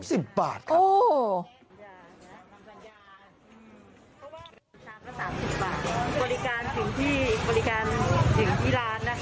ถึงที่บริการถึงที่ร้านนะคะแล้วก็ให้ส่งที่บ้าน